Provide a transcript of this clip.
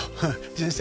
人生